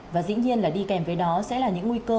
và dĩ nhiên là đi kèm với đó sẽ là những nguy cơ